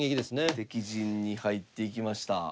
敵陣に入っていきました。